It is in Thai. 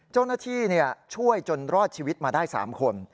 เจ้าหน้าที่ช่วยจนรอดชีวิตมาได้๓คน